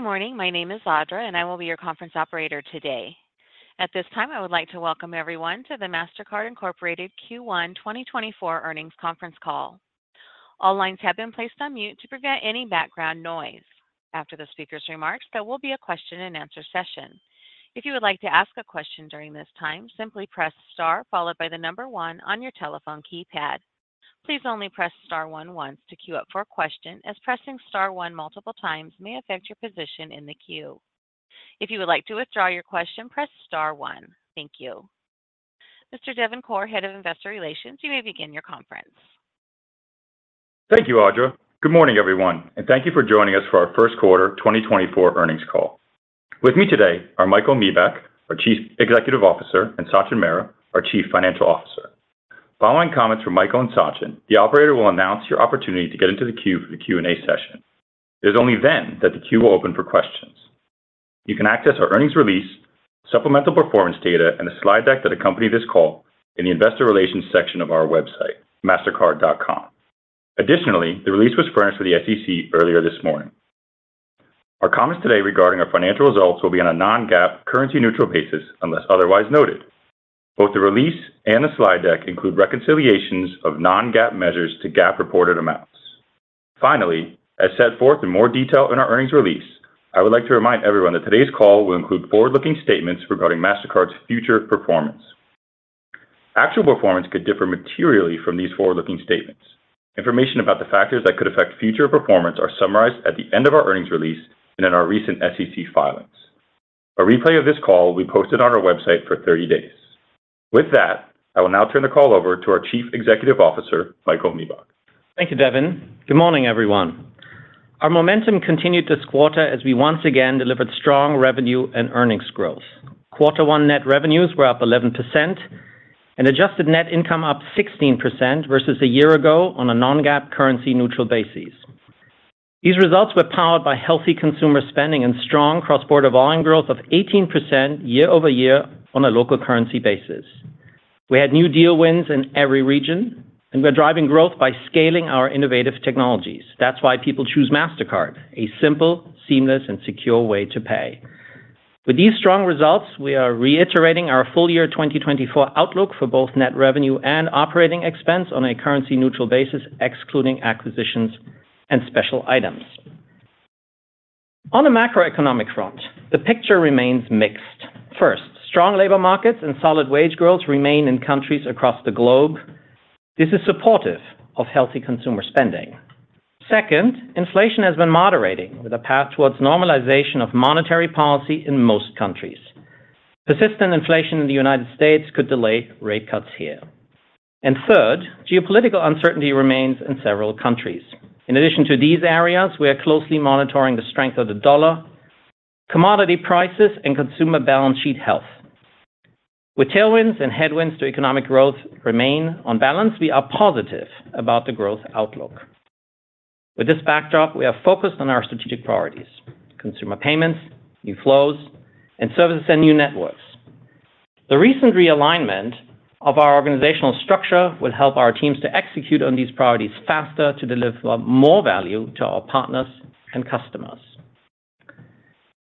Good morning. My name is Audra, and I will be your conference operator today. At this time, I would like to welcome everyone to the Mastercard Incorporated Q1 2024 earnings conference call. All lines have been placed on mute to prevent any background noise. After the speaker's remarks, there will be a Q&A session. If you would like to ask a question during this time, simply press star followed by the number one on your telephone keypad. Please only press star one once to queue up for a question, as pressing star one multiple times may affect your position in the queue. If you would like to withdraw your question, press star one. Thank you. Mr. Devin Corr, head of investor relations, you may begin your conference. Thank you, Audra. Good morning, everyone, and thank you for joining us for our first quarter 2024 earnings call. With me today are Michael Miebach, our Chief Executive Officer, and Sachin Mehra, our Chief Financial Officer. Following comments from Michael and Sachin, the operator will announce your opportunity to get into the queue for the Q&A session. It is only then that the queue will open for questions. You can access our earnings release, supplemental performance data, and the slide deck that accompany this call in the investor relations section of our website, mastercard.com. Additionally, the release was furnished for the SEC earlier this morning. Our comments today regarding our financial results will be on a non-GAAP currency-neutral basis unless otherwise noted. Both the release and the slide deck include reconciliations of non-GAAP measures to GAAP-reported amounts. Finally, as set forth in more detail in our earnings release, I would like to remind everyone that today's call will include forward-looking statements regarding Mastercard's future performance. Actual performance could differ materially from these forward-looking statements. Information about the factors that could affect future performance are summarized at the end of our earnings release and in our recent SEC filings. A replay of this call will be posted on our website for 30 days. With that, I will now turn the call over to our Chief Executive Officer, Michael Miebach. Thank you, Devin. Good morning, everyone. Our momentum continued this quarter as we once again delivered strong revenue and earnings growth. Quarter one net revenues were up 11%, and adjusted net income up 16% versus a year ago on a non-GAAP currency-neutral basis. These results were powered by healthy consumer spending and strong cross-border volume growth of 18% year-over-year on a local currency basis. We had new deal wins in every region, and we're driving growth by scaling our innovative technologies. That's why people choose Mastercard, a simple, seamless, and secure way to pay. With these strong results, we are reiterating our full year 2024 outlook for both net revenue and operating expense on a currency-neutral basis, excluding acquisitions and special items. On the macroeconomic front, the picture remains mixed. First, strong labor markets and solid wage growth remain in countries across the globe. This is supportive of healthy consumer spending. Second, inflation has been moderating, with a path towards normalization of monetary policy in most countries. Persistent inflation in the United States could delay rate cuts here. Third, geopolitical uncertainty remains in several countries. In addition to these areas, we are closely monitoring the strength of the US dollar, commodity prices, and consumer balance sheet health. With tailwinds and headwinds to economic growth remain on balance, we are positive about the growth outlook. With this backdrop, we are focused on our strategic priorities: consumer payments, new flows, and services and new networks. The recent realignment of our organizational structure will help our teams to execute on these priorities faster to deliver more value to our partners and customers.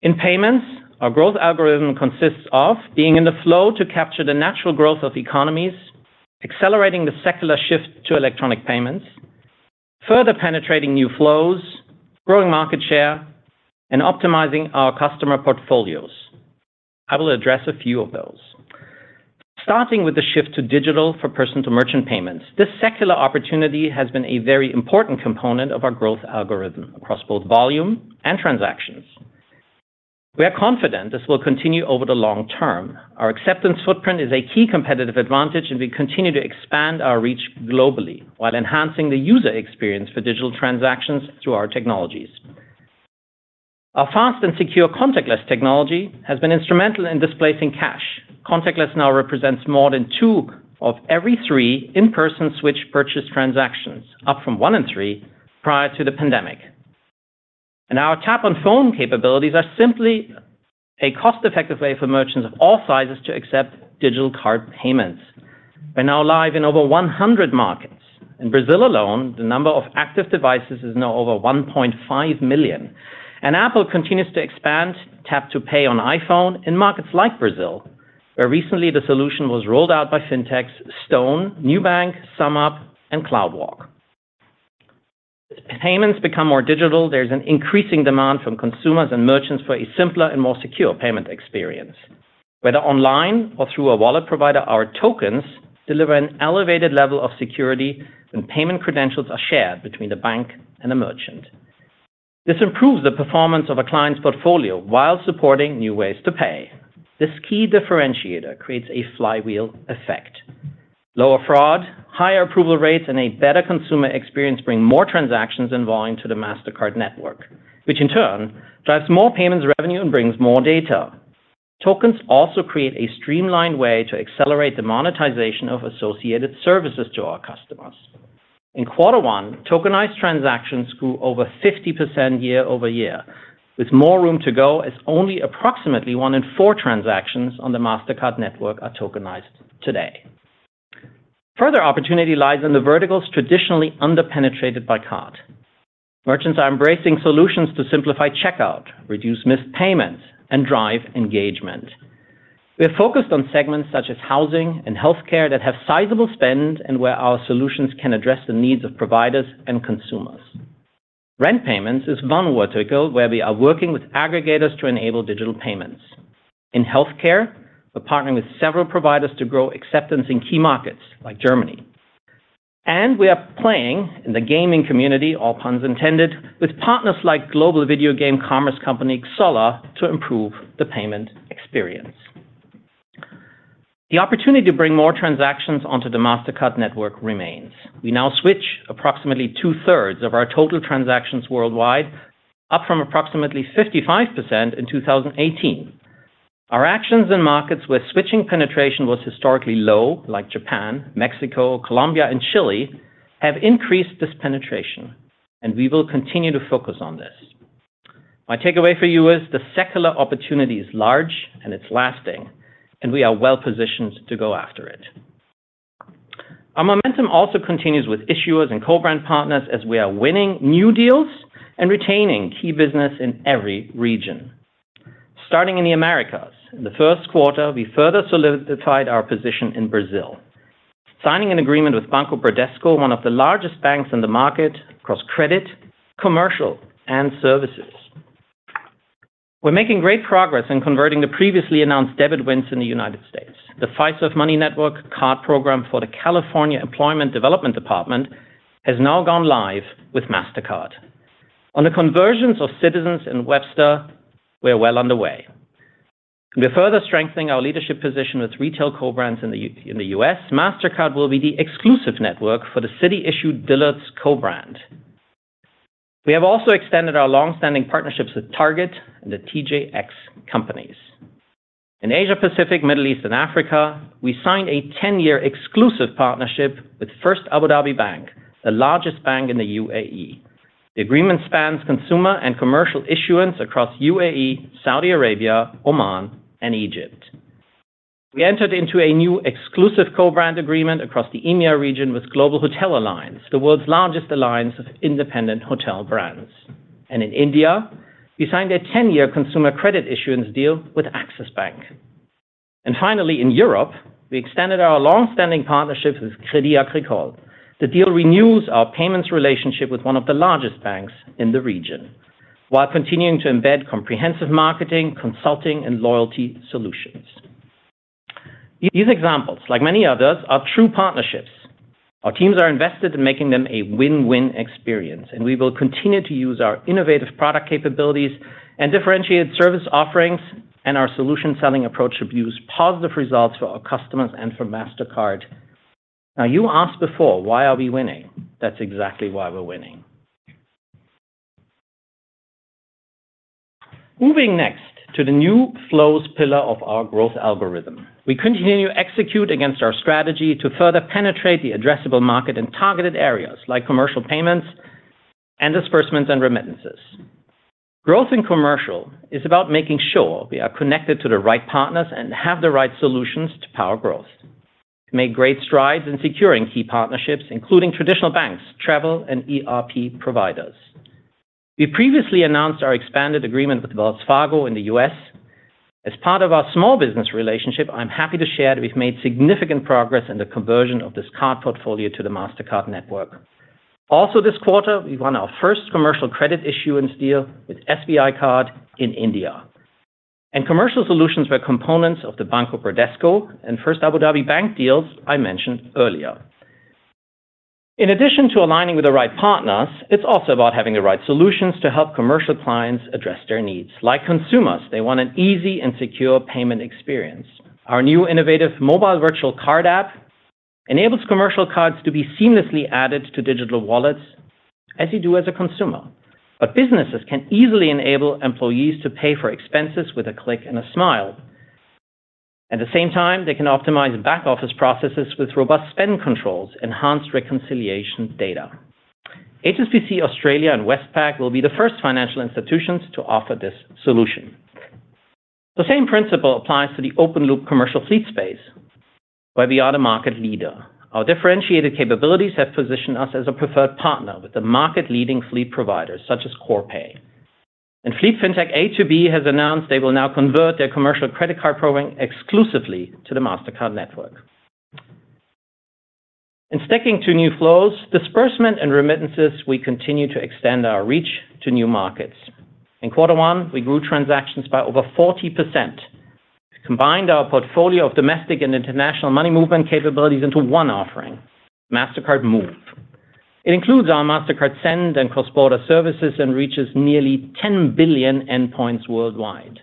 In payments, our growth algorithm consists of being in the flow to capture the natural growth of economies, accelerating the secular shift to electronic payments, further penetrating new flows, growing market share, and optimizing our customer portfolios. I will address a few of those. Starting with the shift to digital for personal-to-merchant payments, this secular opportunity has been a very important component of our growth algorithm across both volume and transactions. We are confident this will continue over the long term. Our acceptance footprint is a key competitive advantage, and we continue to expand our reach globally while enhancing the user experience for digital transactions through our technologies. Our fast and secure contactless technology has been instrumental in displacing cash. Contactless now represents more than 2 of every 3 in-person switch purchase transactions, up from 1 in 3 prior to the pandemic. Tap on Phone capabilities are simply a cost-effective way for merchants of all sizes to accept digital card payments. We're now live in over 100 markets. In Brazil alone, the number of active devices is now over 1.5 million. Apple continues to expand Tap to Pay on iPhone in markets like Brazil, where recently the solution was rolled out by fintechs Stone, Nubank, SumUp, and CloudWalk. As payments become more digital, there's an increasing demand from consumers and merchants for a simpler and more secure payment experience. Whether online or through a wallet provider, our tokens deliver an elevated level of security when payment credentials are shared between the bank and the merchant. This improves the performance of a client's portfolio while supporting new ways to pay. This key differentiator creates a flywheel effect. Lower fraud, higher approval rates, and a better consumer experience bring more transactions and volume to the Mastercard network, which in turn drives more payments revenue and brings more data. Tokens also create a streamlined way to accelerate the monetization of associated services to our customers. In quarter one, tokenized transactions grew over 50% year-over-year, with more room to go as only approximately one in four transactions on the Mastercard network are tokenized today. Further opportunity lies in the verticals traditionally underpenetrated by card. Merchants are embracing solutions to simplify checkout, reduce missed payments, and drive engagement. We are focused on segments such as housing and health care that have sizable spend and where our solutions can address the needs of providers and consumers. Rent payments is one vertical where we are working with aggregators to enable digital payments. In health care, we're partnering with several providers to grow acceptance in key markets like Germany. We are playing in the gaming community, all puns intended, with partners like global video game commerce company Xsolla to improve the payment experience. The opportunity to bring more transactions onto the Mastercard network remains. We now switch approximately 2/3 of our total transactions worldwide, up from approximately 55% in 2018. Our actions in markets where switching penetration was historically low, like Japan, Mexico, Colombia, and Chile, have increased this penetration, and we will continue to focus on this. My takeaway for you is the secular opportunity is large and it's lasting, and we are well positioned to go after it. Our momentum also continues with issuers and co-brand partners as we are winning new deals and retaining key business in every region. Starting in the Americas, in the first quarter, we further solidified our position in Brazil, signing an agreement with Banco Bradesco, one of the largest banks in the market across credit, commercial, and services. We're making great progress in converting the previously announced debit wins in the United States. The Fiserv Money Network card program for the California Employment Development Department has now gone live with Mastercard. On the conversions of Citizens and Webster, we're well underway. We're further strengthening our leadership position with retail co-brands in the U.S., Mastercard will be the exclusive network for the Citi-issued Dillard's co-brand. We have also extended our longstanding partnerships with Target and the TJX Companies. In Asia-Pacific, Middle East, and Africa, we signed a 10-year exclusive partnership with First Abu Dhabi Bank, the largest bank in the UAE. The agreement spans consumer and commercial issuance across UAE, Saudi Arabia, Oman, and Egypt. We entered into a new exclusive co-brand agreement across the EMEA region with Global Hotel Alliance, the world's largest alliance of independent hotel brands. In India, we signed a 10-year consumer credit issuance deal with Axis Bank. Finally, in Europe, we extended our longstanding partnership with Crédit Agricole. The deal renews our payments relationship with one of the largest banks in the region while continuing to embed comprehensive marketing, consulting, and loyalty solutions. These examples, like many others, are true partnerships. Our teams are invested in making them a win-win experience, and we will continue to use our innovative product capabilities and differentiated service offerings, and our solution-selling approach should produce positive results for our customers and for Mastercard. Now, you asked before, why are we winning? That's exactly why we're winning. Moving next to the new flows pillar of our growth algorithm, we continue to execute against our strategy to further penetrate the addressable market in targeted areas like commercial payments, disbursements, and remittances. Growth in commercial is about making sure we are connected to the right partners and have the right solutions to power growth. We made great strides in securing key partnerships, including traditional banks, travel, and ERP providers. We previously announced our expanded agreement with Wells Fargo in the U.S. As part of our small business relationship, I'm happy to share that we've made significant progress in the conversion of this card portfolio to the Mastercard network. Also, this quarter, we won our first commercial credit issuance deal with SBI Card in India. Commercial solutions were components of the Banco Bradesco and First Abu Dhabi Bank deals I mentioned earlier. In addition to aligning with the right partners, it's also about having the right solutions to help commercial clients address their needs. Like consumers, they want an easy and secure payment experience. Our new innovative mobile virtual card app enables commercial cards to be seamlessly added to digital wallets as you do as a consumer. But businesses can easily enable employees to pay for expenses with a click and a smile. At the same time, they can optimize back-office processes with robust spend controls, enhanced reconciliation data. HSBC Australia and Westpac will be the first financial institutions to offer this solution. The same principle applies to the open-loop commercial fleet space, where we are the market leader. Our differentiated capabilities have positioned us as a preferred partner with the market-leading fleet providers such as Corpay. Fleet Fintech AtoB has announced they will now convert their commercial credit card program exclusively to the Mastercard network. In stacking two new flows, disbursement and remittances, we continue to extend our reach to new markets. In quarter one, we grew transactions by over 40%. We combined our portfolio of domestic and international money movement capabilities into one offering, Mastercard Move. It includes our Mastercard Send and cross-border services and reaches nearly 10 billion endpoints worldwide.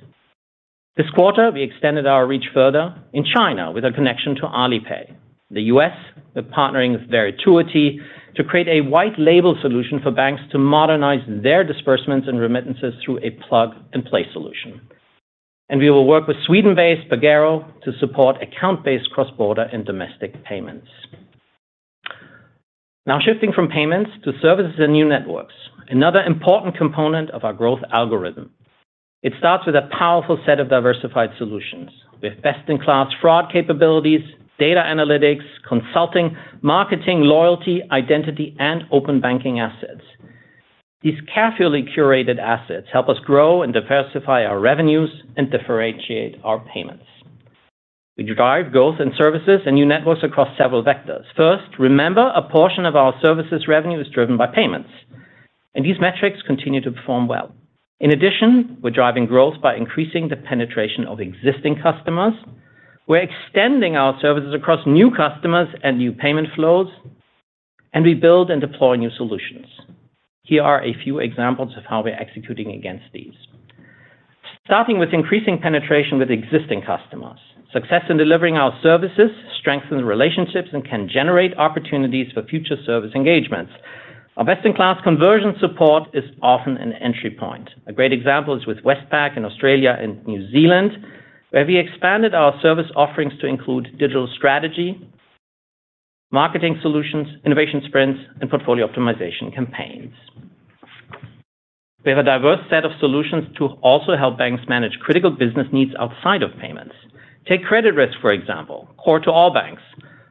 This quarter, we extended our reach further in China with a connection to Alipay. In the U.S., we're partnering with Verituity to create a white-label solution for banks to modernize their disbursements and remittances through a plug-and-play solution. And we will work with Sweden-based Pagero to support account-based cross-border and domestic payments. Now, shifting from payments to services and new networks, another important component of our growth algorithm. It starts with a powerful set of diversified solutions. We have best-in-class fraud capabilities, data analytics, consulting, marketing, loyalty, identity, and open banking assets. These carefully curated assets help us grow and diversify our revenues and differentiate our payments. We drive growth in services and new networks across several vectors. First, remember, a portion of our services revenue is driven by payments. These metrics continue to perform well. In addition, we're driving growth by increasing the penetration of existing customers. We're extending our services across new customers and new payment flows. We build and deploy new solutions. Here are a few examples of how we're executing against these. Starting with increasing penetration with existing customers, success in delivering our services strengthens relationships and can generate opportunities for future service engagements. Our best-in-class conversion support is often an entry point. A great example is with Westpac in Australia and New Zealand, where we expanded our service offerings to include digital strategy, marketing solutions, innovation sprints, and portfolio optimization campaigns. We have a diverse set of solutions to also help banks manage critical business needs outside of payments. Take credit risk, for example, core to all banks.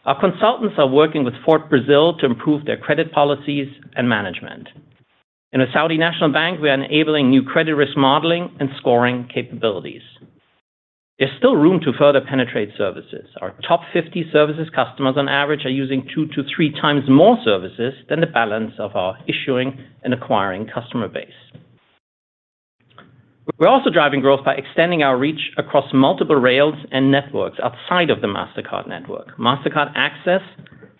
Our consultants are working with FortBrasil to improve their credit policies and management. In the Saudi National Bank, we are enabling new credit risk modeling and scoring capabilities. There's still room to further penetrate services. Our top 50 services customers, on average, are using 2x-3x more services than the balance of our issuing and acquiring customer base. We're also driving growth by extending our reach across multiple rails and networks outside of the Mastercard network. Mastercard Access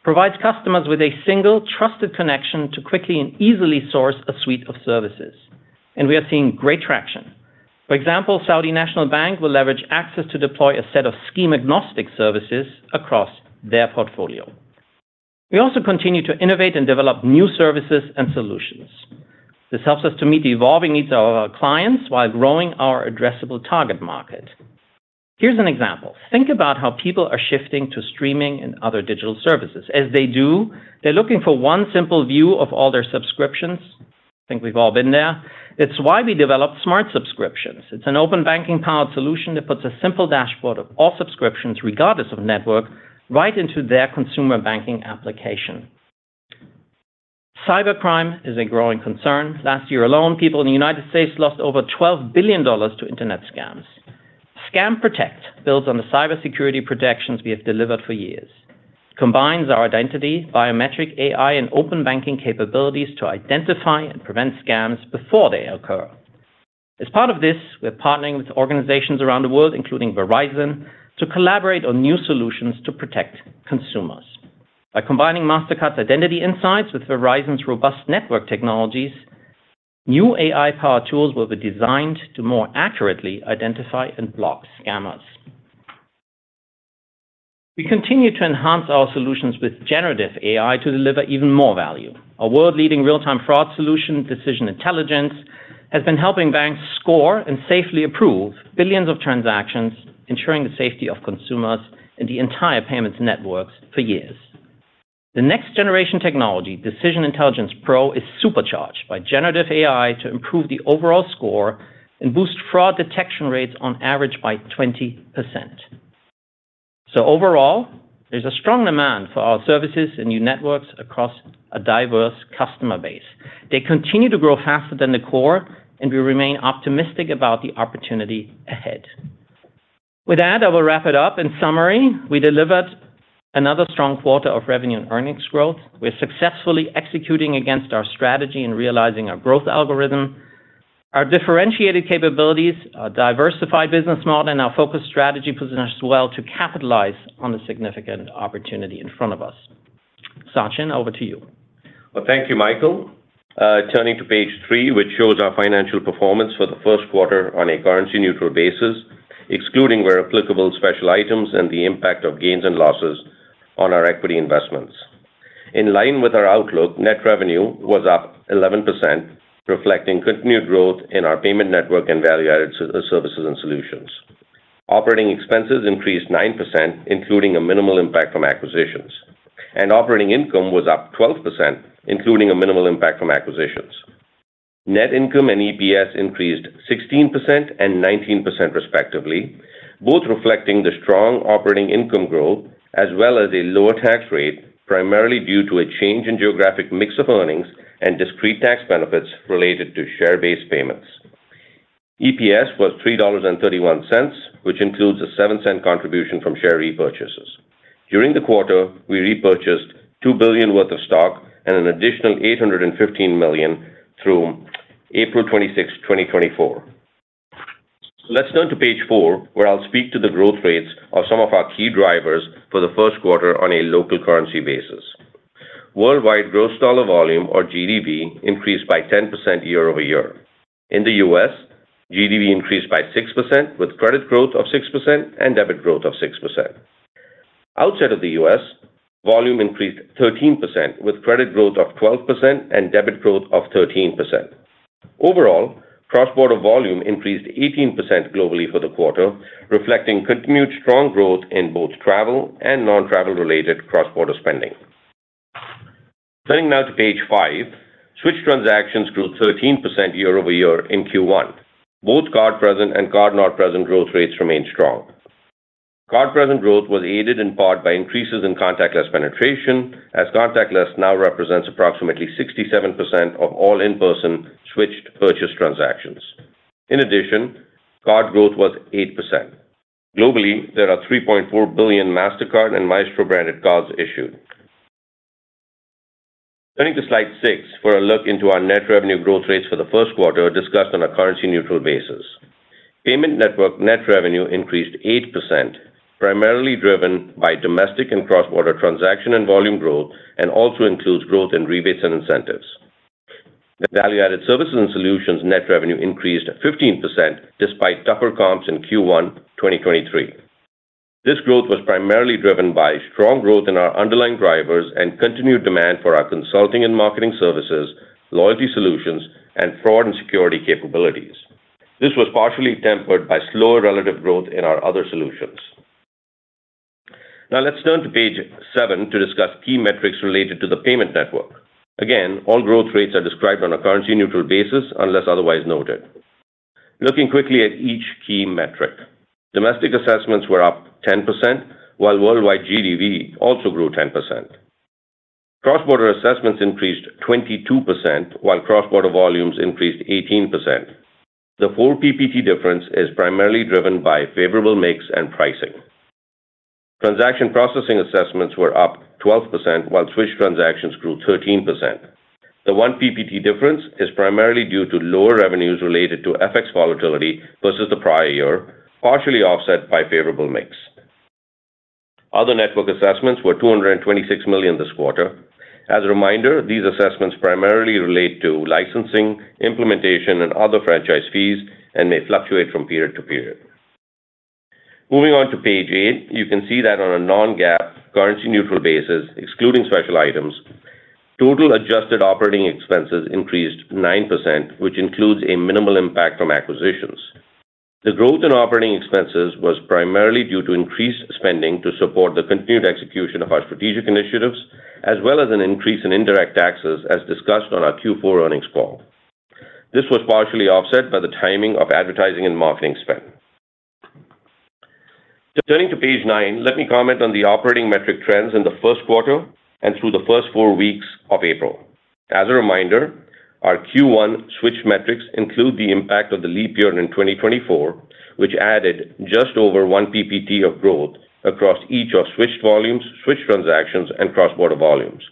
provides customers with a single, trusted connection to quickly and easily source a suite of services. We are seeing great traction. For example, Saudi National Bank will leverage Access to deploy a set of scheme-agnostic services across their portfolio. We also continue to innovate and develop new services and solutions. This helps us to meet the evolving needs of our clients while growing our addressable target market. Here's an example. Think about how people are shifting to streaming and other digital services. As they do, they're looking for one simple view of all their subscriptions. I think we've all been there. That's why we developed Smart Subscriptions. It's an Open Banking-powered solution that puts a simple dashboard of all subscriptions, regardless of network, right into their consumer banking application. Cybercrime is a growing concern. Last year alone, people in the United States lost over $12 billion to internet scams. Scam Protect builds on the cybersecurity protections we have delivered for years. It combines our identity, biometric, AI, and open banking capabilities to identify and prevent scams before they occur. As part of this, we're partnering with organizations around the world, including Verizon, to collaborate on new solutions to protect consumers. By combining Mastercard's identity insights with Verizon's robust network technologies, new AI-powered tools will be designed to more accurately identify and block scammers. We continue to enhance our solutions with generative AI to deliver even more value. Our world-leading real-time fraud solution, Decision Intelligence, has been helping banks score and safely approve billions of transactions, ensuring the safety of consumers and the entire payments networks for years. The next-generation technology, Decision Intelligence Pro, is supercharged by Generative AI to improve the overall score and boost fraud detection rates on average by 20%. So overall, there's a strong demand for our services and new networks across a diverse customer base. They continue to grow faster than the core, and we remain optimistic about the opportunity ahead. With that, I will wrap it up. In summary, we delivered another strong quarter of revenue and earnings growth. We're successfully executing against our strategy and realizing our growth algorithm. Our differentiated capabilities, our diversified business model, and our focused strategy position us well to capitalize on the significant opportunity in front of us. Sachin, over to you. Well, thank you, Michael. Turning to page three, which shows our financial performance for the first quarter on a currency-neutral basis, excluding where applicable special items and the impact of gains and losses on our equity investments. In line with our outlook, net revenue was up 11%, reflecting continued growth in our payment network and value-added services and solutions. Operating expenses increased 9%, including a minimal impact from acquisitions. Operating income was up 12%, including a minimal impact from acquisitions. Net income and EPS increased 16% and 19%, respectively, both reflecting the strong operating income growth as well as a lower tax rate, primarily due to a change in geographic mix of earnings and discrete tax benefits related to share-based payments. EPS was $3.31, which includes a $0.07 contribution from share repurchases. During the quarter, we repurchased $2 billion worth of stock and an additional $815 million through April 26th, 2024. Let's turn to page four, where I'll speak to the growth rates of some of our key drivers for the first quarter on a local currency basis. Worldwide gross dollar volume, or GDV, increased by 10% year-over-year. In the U.S., GDV increased by 6%, with credit growth of 6% and debit growth of 6%. Outside of the U.S., volume increased 13%, with credit growth of 12% and debit growth of 13%. Overall, cross-border volume increased 18% globally for the quarter, reflecting continued strong growth in both travel and non-travel-related cross-border spending. Turning now to page five, switch transactions grew 13% year-over-year in Q1. Both card-present and card-not-present growth rates remained strong. Card-present growth was aided in part by increases in contactless penetration, as contactless now represents approximately 67% of all in-person switched purchase transactions. In addition, card growth was 8%. Globally, there are 3.4 billion Mastercard and Maestro-branded cards issued. Turning to slide six for a look into our net revenue growth rates for the first quarter discussed on a currency-neutral basis. Payment network net revenue increased 8%, primarily driven by domestic and cross-border transaction and volume growth, and also includes growth in rebates and incentives. Value-added services and solutions net revenue increased 15% despite tougher comps in Q1, 2023. This growth was primarily driven by strong growth in our underlying drivers and continued demand for our consulting and marketing services, loyalty solutions, and fraud and security capabilities. This was partially tempered by slower relative growth in our other solutions. Now, let's turn to page seven to discuss key metrics related to the payment network. Again, all growth rates are described on a currency-neutral basis unless otherwise noted. Looking quickly at each key metric, domestic assessments were up 10%, while worldwide GDV also grew 10%. Cross-border assessments increased 22%, while cross-border volumes increased 18%. The full PPT difference is primarily driven by favorable mix and pricing. Transaction processing assessments were up 12%, while switch transactions grew 13%. The one PPT difference is primarily due to lower revenues related to FX volatility versus the prior year, partially offset by favorable mix. Other network assessments were $226 million this quarter. As a reminder, these assessments primarily relate to licensing, implementation, and other franchise fees and may fluctuate from period to period. Moving on to page eight, you can see that on a non-GAAP currency-neutral basis, excluding special items, total adjusted operating expenses increased 9%, which includes a minimal impact from acquisitions. The growth in operating expenses was primarily due to increased spending to support the continued execution of our strategic initiatives, as well as an increase in indirect taxes as discussed on our Q4 earnings call. This was partially offset by the timing of advertising and marketing spend. Turning to page nine, let me comment on the operating metric trends in the first quarter and through the first four weeks of April. As a reminder, our Q1 switch metrics include the impact of the leap year in 2024, which added just over one percentage point of growth across each of switched volumes, switched transactions, and cross-border volumes.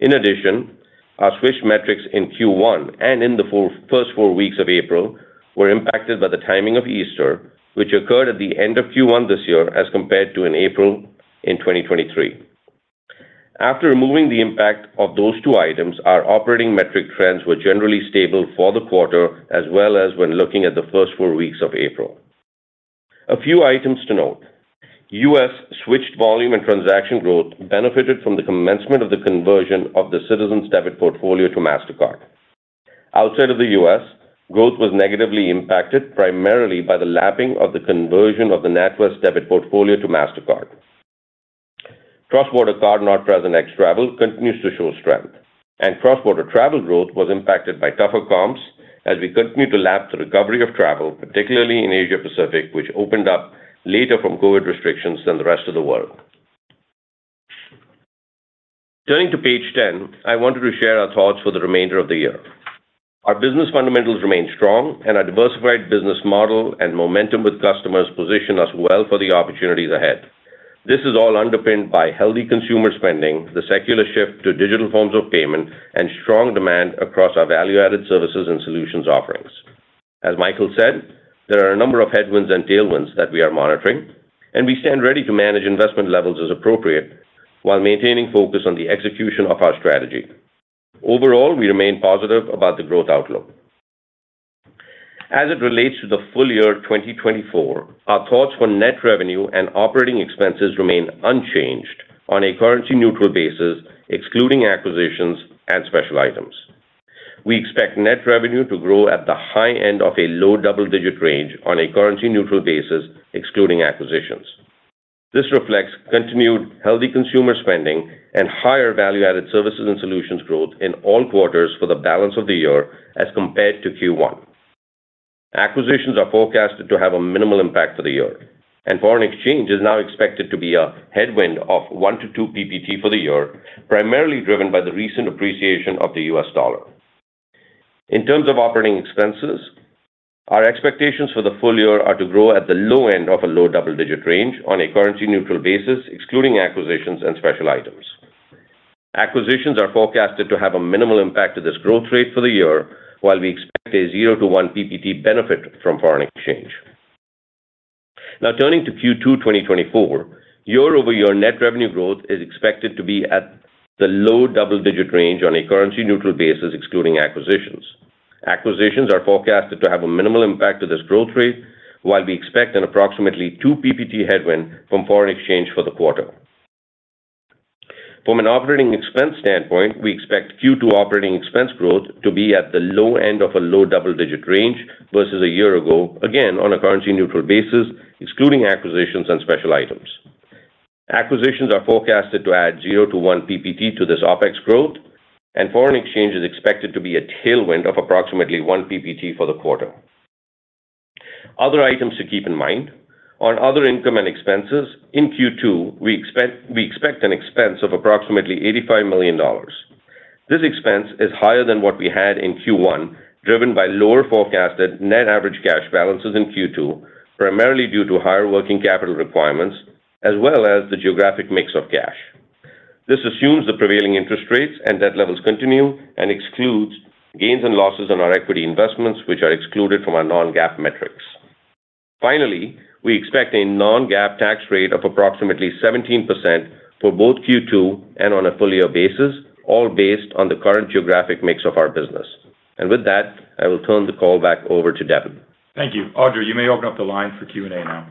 In addition, our switch metrics in Q1 and in the first four weeks of April were impacted by the timing of Easter, which occurred at the end of Q1 this year as compared to in April in 2023. After removing the impact of those two items, our operating metric trends were generally stable for the quarter as well as when looking at the first four weeks of April. A few items to note. U.S. switched volume and transaction growth benefited from the commencement of the conversion of the Citizens Debit Portfolio to Mastercard. Outside of the U.S., growth was negatively impacted primarily by the lapping of the conversion of the NatWest Debit Portfolio to Mastercard. Cross-border card-not-present ex-travel continues to show strength. Cross-border travel growth was impacted by tougher comps as we continue to lap the recovery of travel, particularly in Asia-Pacific, which opened up later from COVID restrictions than the rest of the world. Turning to page 10, I wanted to share our thoughts for the remainder of the year. Our business fundamentals remain strong, and our diversified business model and momentum with customers position us well for the opportunities ahead. This is all underpinned by healthy consumer spending, the secular shift to digital forms of payment, and strong demand across our value-added services and solutions offerings. As Michael said, there are a number of headwinds and tailwinds that we are monitoring, and we stand ready to manage investment levels as appropriate while maintaining focus on the execution of our strategy. Overall, we remain positive about the growth outlook. As it relates to the full year 2024, our thoughts for net revenue and operating expenses remain unchanged on a currency-neutral basis, excluding acquisitions and special items. We expect net revenue to grow at the high end of a low double-digit range on a currency-neutral basis, excluding acquisitions. This reflects continued healthy consumer spending and higher value-added services and solutions growth in all quarters for the balance of the year as compared to Q1. Acquisitions are forecast to have a minimal impact for the year. Foreign exchange is now expected to be a headwind of 1-2 percentage points for the year, primarily driven by the recent appreciation of the US dollar. In terms of operating expenses, our expectations for the full year are to grow at the low end of a low double-digit range on a currency-neutral basis, excluding acquisitions and special items. Acquisitions are forecast to have a minimal impact to this growth rate for the year, while we expect a 0-1 PPT benefit from foreign exchange. Now, turning to Q2 2024, year-over-year, net revenue growth is expected to be at the low double-digit range on a currency-neutral basis, excluding acquisitions. Acquisitions are forecast to have a minimal impact to this growth rate, while we expect an approximately 2 PPT headwind from foreign exchange for the quarter. From an operating expense standpoint, we expect Q2 operating expense growth to be at the low end of a low double-digit range versus a year ago, again on a currency-neutral basis, excluding acquisitions and special items. Acquisitions are forecast to add 0-1 PPT to this OPEX growth, and foreign exchange is expected to be a tailwind of approximately 1 PPT for the quarter. Other items to keep in mind. On other income and expenses, in Q2, we expect an expense of approximately $85 million. This expense is higher than what we had in Q1, driven by lower forecasted net average cash balances in Q2, primarily due to higher working capital requirements as well as the geographic mix of cash. This assumes the prevailing interest rates and debt levels continue and excludes gains and losses on our equity investments, which are excluded from our non-GAAP metrics. Finally, we expect a non-GAAP tax rate of approximately 17% for both Q2 and on a full year basis, all based on the current geographic mix of our business. And with that, I will turn the call back over to Devin. Thank you. Audra, you may open up the line for Q&A now.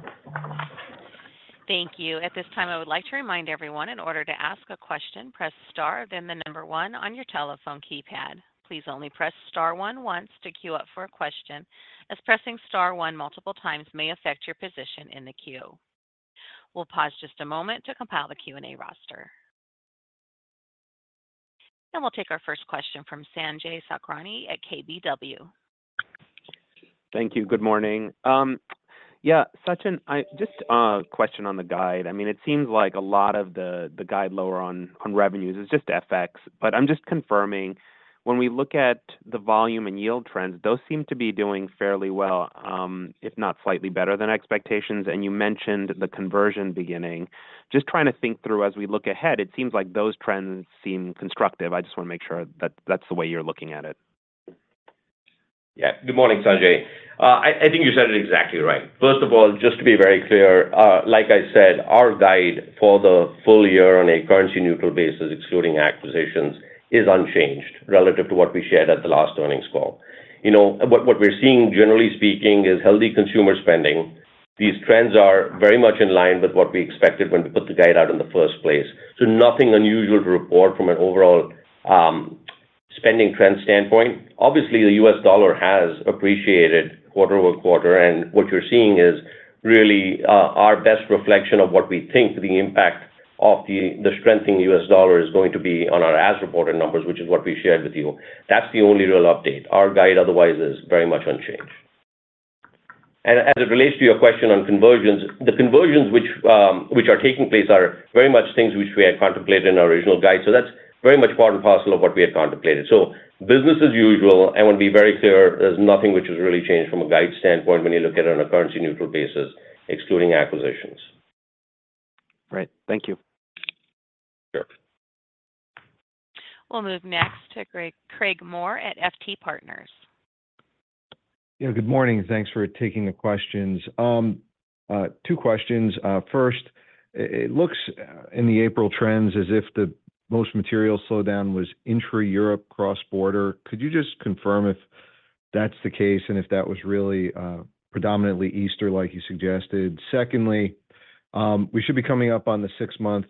Thank you. At this time, I would like to remind everyone, in order to ask a question, press star, then the number one on your telephone keypad. Please only press star one once to queue up for a question, as pressing star one multiple times may affect your position in the queue. We'll pause just a moment to compile the Q&A roster. We'll take our first question from Sanjay Sakhrani at KBW. Thank you. Good morning. Yeah, Sachin, just a question on the guide. I mean, it seems like a lot of the guide lower on revenues is just FX. But I'm just confirming, when we look at the volume and yield trends, those seem to be doing fairly well, if not slightly better than expectations. And you mentioned the conversion beginning. Just trying to think through, as we look ahead, it seems like those trends seem constructive. I just want to make sure that that's the way you're looking at it. Yeah. Good morning, Sanjay. I think you said it exactly right. First of all, just to be very clear, like I said, our guide for the full year on a currency-neutral basis, excluding acquisitions, is unchanged relative to what we shared at the last earnings call. What we're seeing, generally speaking, is healthy consumer spending. These trends are very much in line with what we expected when we put the guide out in the first place. So nothing unusual to report from an overall spending trend standpoint. Obviously, the US dollar has appreciated quarter-over-quarter, and what you're seeing is really our best reflection of what we think the impact of the strengthening US dollar is going to be on our as-reported numbers, which is what we shared with you. That's the only real update. Our guide otherwise is very much unchanged. As it relates to your question on conversions, the conversions which are taking place are very much things which we had contemplated in our original guide. So that's very much part and parcel of what we had contemplated. So business as usual. And I want to be very clear, there's nothing which has really changed from a guide standpoint when you look at it on a currency-neutral basis, excluding acquisitions. Right. Thank you. Sure. We'll move next to Craig Maurer at FT Partners. Yeah. Good morning. Thanks for taking the questions. Two questions. First, it looks in the April trends as if the most material slowdown was intra-Europe cross-border. Could you just confirm if that's the case and if that was really predominantly Easter like you suggested? Secondly, we should be coming up on the 6-month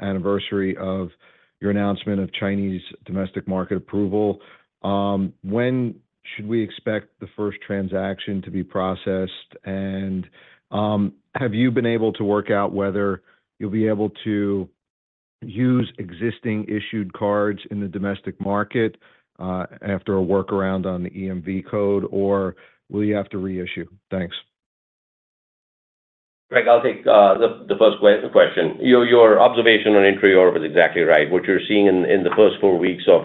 anniversary of your announcement of Chinese domestic market approval. When should we expect the first transaction to be processed? And have you been able to work out whether you'll be able to use existing issued cards in the domestic market after a workaround on the EMV code, or will you have to reissue? Thanks. Craig, I'll take the first question. Your observation on intra-Europe is exactly right. What you're seeing in the first four weeks of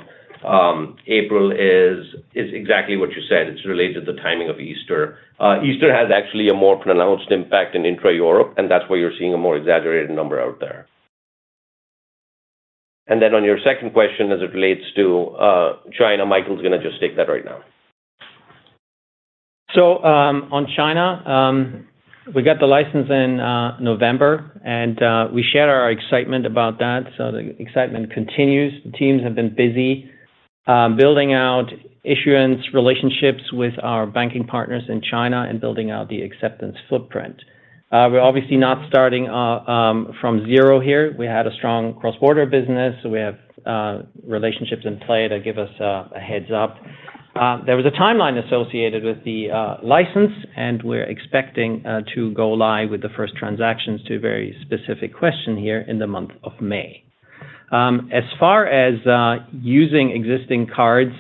April is exactly what you said. It's related to the timing of Easter. Easter has actually a more pronounced impact in intra-Europe, and that's why you're seeing a more exaggerated number out there. Then on your second question, as it relates to China, Michael's going to just take that right now. So on China, we got the license in November, and we shared our excitement about that. So the excitement continues. The teams have been busy building out issuance relationships with our banking partners in China and building out the acceptance footprint. We're obviously not starting from zero here. We had a strong cross-border business, so we have relationships in play to give us a heads up. There was a timeline associated with the license, and we're expecting to go live with the first transactions to a very specific question here in the month of May. As far as using existing cards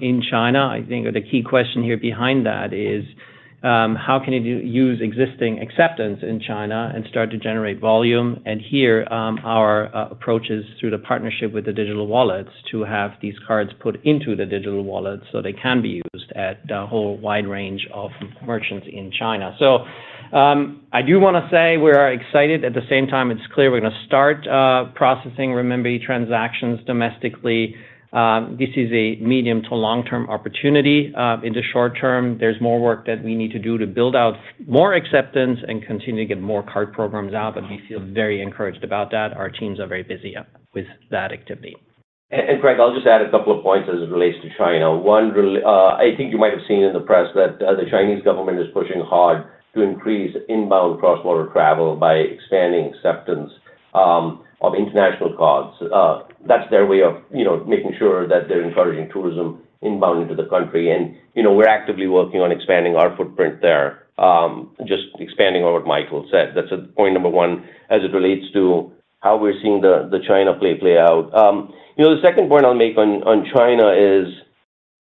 in China, I think the key question here behind that is, how can you use existing acceptance in China and start to generate volume? And here, our approach is through the partnership with the digital wallets to have these cards put into the digital wallets so they can be used at a whole wide range of merchants in China. So I do want to say we're excited. At the same time, it's clear we're going to start processing, remember, transactions domestically. This is a medium to long-term opportunity. In the short term, there's more work that we need to do to build out more acceptance and continue to get more card programs out, but we feel very encouraged about that. Our teams are very busy with that activity. Craig, I'll just add a couple of points as it relates to China. One, I think you might have seen in the press that the Chinese government is pushing hard to increase inbound cross-border travel by expanding acceptance of international cards. That's their way of making sure that they're encouraging tourism inbound into the country. We're actively working on expanding our footprint there, just expanding on what Michael said. That's point number one as it relates to how we're seeing the China play out. The second point I'll make on China is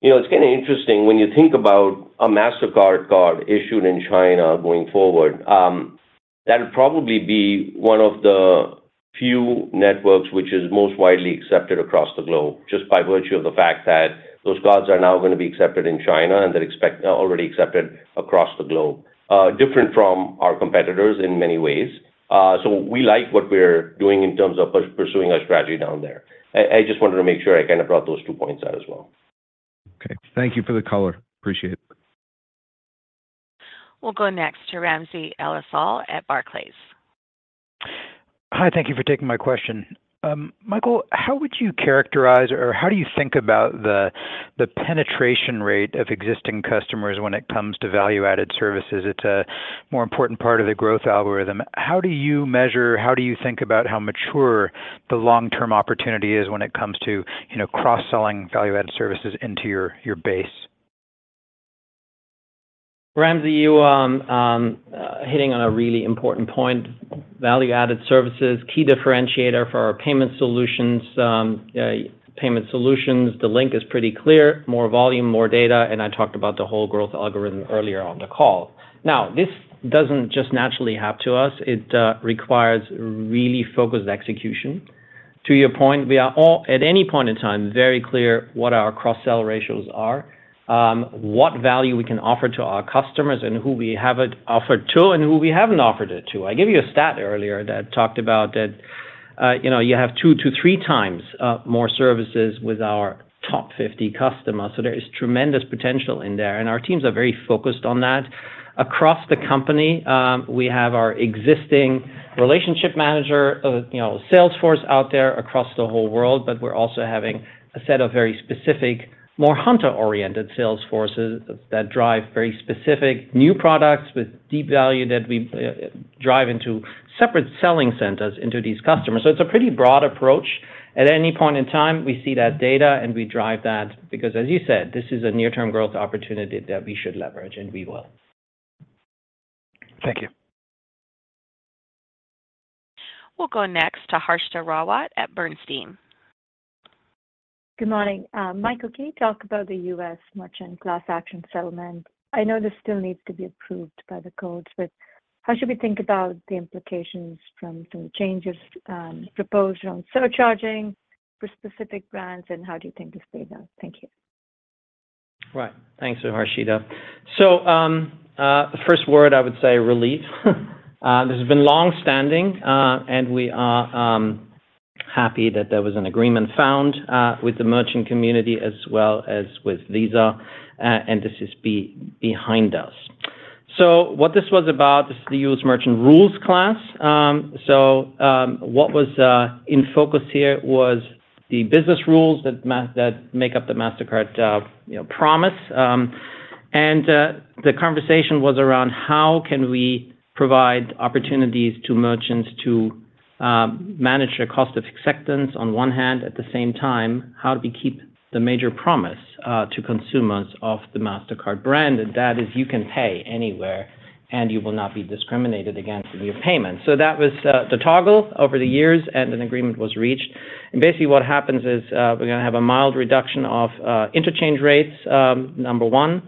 it's kind of interesting when you think about a Mastercard card issued in China going forward, that would probably be one of the few networks which is most widely accepted across the globe just by virtue of the fact that those cards are now going to be accepted in China and they're already accepted across the globe, different from our competitors in many ways. So we like what we're doing in terms of pursuing our strategy down there. I just wanted to make sure I kind of brought those two points out as well. Okay. Thank you for the color. Appreciate it. We'll go next to Ramsey El-Assal at Barclays. Hi. Thank you for taking my question. Michael, how would you characterize or how do you think about the penetration rate of existing customers when it comes to value-added services? It's a more important part of the growth algorithm. How do you measure? How do you think about how mature the long-term opportunity is when it comes to cross-selling value-added services into your base? Ramsey, you're hitting on a really important point. Value-added services, key differentiator for our payment solutions. The link is pretty clear: more volume, more data. And I talked about the whole growth algorithm earlier on the call. Now, this doesn't just naturally happen to us. It requires really focused execution. To your point, we are all, at any point in time, very clear what our cross-sell ratios are, what value we can offer to our customers, and who we have it offered to, and who we haven't offered it to. I gave you a stat earlier that talked about that you have 2x-3x more services with our top 50 customers. So there is tremendous potential in there, and our teams are very focused on that. Across the company, we have our existing relationship manager sales force out there across the whole world, but we're also having a set of very specific, more hunter-oriented sales forces that drive very specific new products with deep value that we drive into separate selling centers into these customers. So it's a pretty broad approach. At any point in time, we see that data, and we drive that because, as you said, this is a near-term growth opportunity that we should leverage, and we will. Thank you. We'll go next to Harshita Rawat at Bernstein. Good morning. Michael can you talk about the U.S. merchant class action settlement. I know this still needs to be approved by the courts, but how should we think about the implications from some changes proposed around surcharging for specific brands, and how do you think this plays out? Thank you. Right. Thanks for Harshita. So the first word, I would say, relief. This has been longstanding, and we are happy that there was an agreement found with the merchant community as well as with Visa, and this is behind us. So what this was about, this is the U.S. merchant rules class. So what was in focus here was the business rules that make up the Mastercard promise. And the conversation was around how can we provide opportunities to merchants to manage their cost of acceptance on one hand, at the same time, how do we keep the major promise to consumers of the Mastercard brand? And that is, you can pay anywhere, and you will not be discriminated against in your payments. So that was the toggle over the years, and an agreement was reached. And basically, what happens is we're going to have a mild reduction of interchange rates, number one,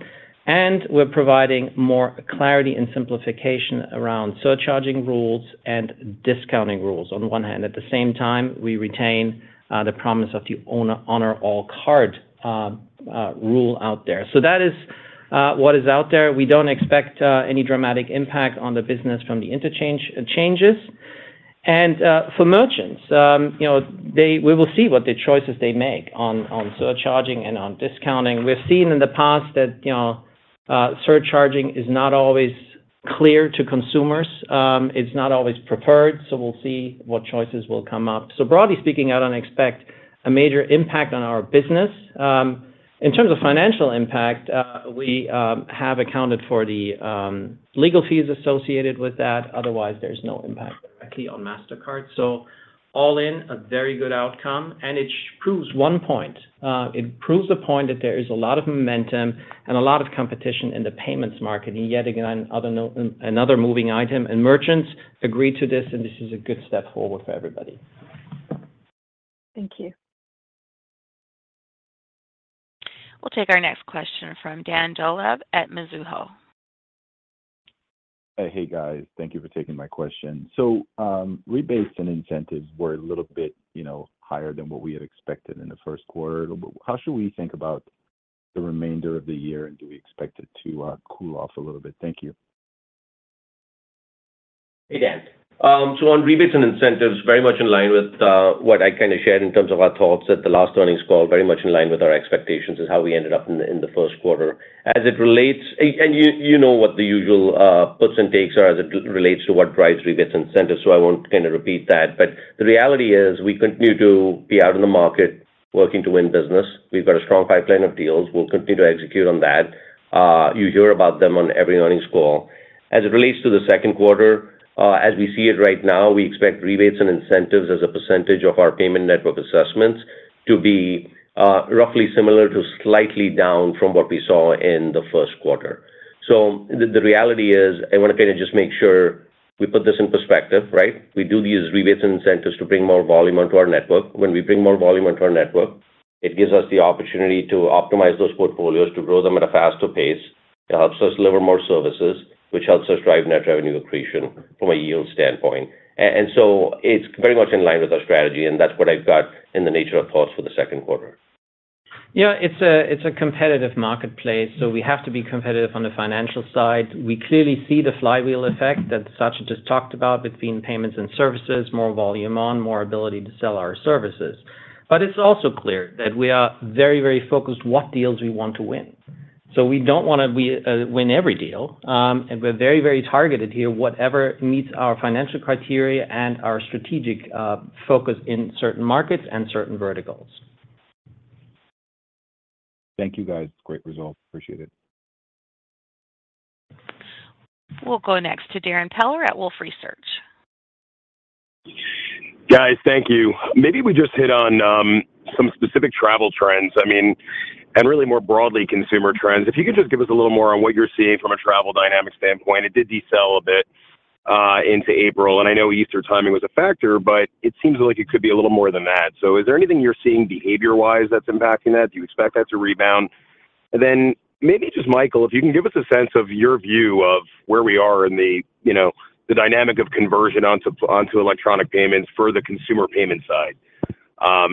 and we're providing more clarity and simplification around surcharging rules and discounting rules on one hand. At the same time, we retain the promise of the honor-all card rule out there. So that is what is out there. We don't expect any dramatic impact on the business from the interchange changes. And for merchants, we will see what the choices they make on surcharging and on discounting. We've seen in the past that surcharging is not always clear to consumers. It's not always preferred, so we'll see what choices will come up. So broadly speaking, I don't expect a major impact on our business. In terms of financial impact, we have accounted for the legal fees associated with that. Otherwise, there's no impact directly on Mastercard. So all in, a very good outcome. It proves one point. It proves the point that there is a lot of momentum and a lot of competition in the payments market. Yet again, another moving item. Merchants agree to this, and this is a good step forward for everybody. Thank you. We'll take our next question from Dan Dolev at Mizuho. Hey, guys. Thank you for taking my question. So rebates and incentives were a little bit higher than what we had expected in the first quarter. How should we think about the remainder of the year, and do we expect it to cool off a little bit? Thank you. Hey, Dan. So on rebates and incentives, very much in line with what I kind of shared in terms of our thoughts at the last earnings call, very much in line with our expectations is how we ended up in the first quarter. And you know what the usual puts and takes are as it relates to what drives rebates and incentives, so I won't kind of repeat that. But the reality is we continue to be out in the market working to win business. We've got a strong pipeline of deals. We'll continue to execute on that. You hear about them on every earnings call. As it relates to the second quarter, as we see it right now, we expect rebates and incentives as a percentage of our payment network assessments to be roughly similar to slightly down from what we saw in the first quarter. The reality is I want to kind of just make sure we put this in perspective, right? We do these rebates and incentives to bring more volume onto our network. When we bring more volume onto our network, it gives us the opportunity to optimize those portfolios, to grow them at a faster pace. It helps us deliver more services, which helps us drive net revenue accretion from a yield standpoint. And so it's very much in line with our strategy, and that's what I've got in the nature of thoughts for the second quarter. Yeah. It's a competitive marketplace, so we have to be competitive on the financial side. We clearly see the flywheel effect that Sachin just talked about between payments and services, more volume on, more ability to sell our services. But it's also clear that we are very, very focused on what deals we want to win. So we don't want to win every deal, and we're very, very targeted here, whatever meets our financial criteria and our strategic focus in certain markets and certain verticals. Thank you, guys. Great result. Appreciate it. We'll go next to Darrin Peller at Wolfe Research. Guys, thank you. Maybe we just hit on some specific travel trends, I mean, and really more broadly, consumer trends. If you could just give us a little more on what you're seeing from a travel dynamic standpoint. It did decelerate a bit into April, and I know Easter timing was a factor, but it seems like it could be a little more than that. So is there anything you're seeing behavior-wise that's impacting that? Do you expect that to rebound? And then maybe just Michael, if you can give us a sense of your view of where we are in the dynamic of conversion onto electronic payments for the consumer payment side.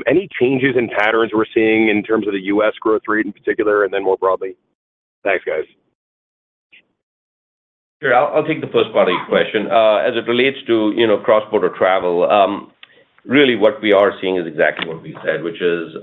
Any changes in patterns we're seeing in terms of the U.S. growth rate in particular and then more broadly? Thanks, guys. Sure. I'll take the first part of your question. As it relates to cross-border travel, really, what we are seeing is exactly what we said, which is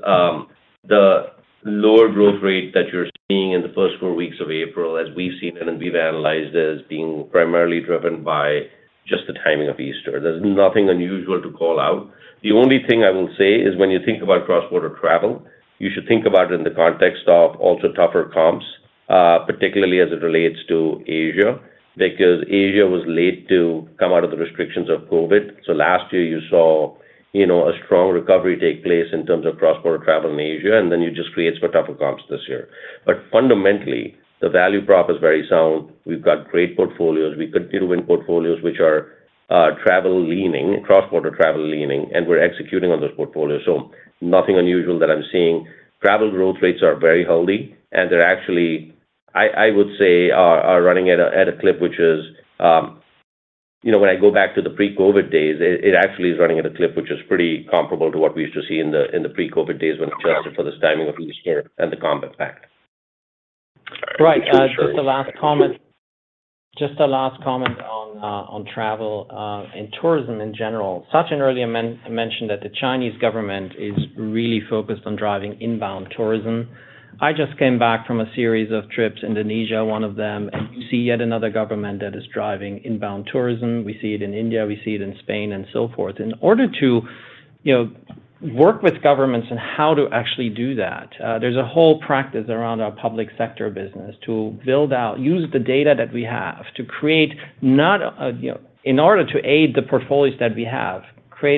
the lower growth rate that you're seeing in the first four weeks of April, as we've seen it, and we've analyzed it as being primarily driven by just the timing of Easter. There's nothing unusual to call out. The only thing I will say is when you think about cross-border travel, you should think about it in the context of also tougher comps, particularly as it relates to Asia because Asia was late to come out of the restrictions of COVID. So last year, you saw a strong recovery take place in terms of cross-border travel in Asia, and then it just creates for tougher comps this year. But fundamentally, the value prop is very sound. We've got great portfolios. We continue to win portfolios which are cross-border travel leaning, and we're executing on those portfolios. So nothing unusual that I'm seeing. Travel growth rates are very healthy, and they're actually, I would say, running at a clip which is when I go back to the pre-COVID days, it actually is running at a clip which is pretty comparable to what we used to see in the pre-COVID days when adjusted for this timing of Easter and the comp impact. Right. Just a last comment. Just a last comment on travel and tourism in general. Sachin earlier mentioned that the Chinese government is really focused on driving inbound tourism. I just came back from a series of trips, Indonesia one of them, and you see yet another government that is driving inbound tourism. We see it in India. We see it in Spain, and so forth. In order to work with governments on how to actually do that, there's a whole practice around our public sector business to use the data that we have to create